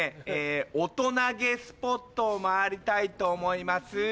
オトナゲスポットを回りたいと思います。